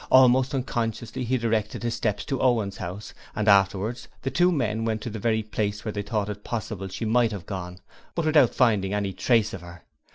Almost unconsciously he directed his steps to Owen's house, and afterwards the two men went to every place where they thought it possible she might have gone, but without finding any trace of her.